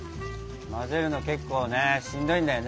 混ぜるの結構ねしんどいんだよね。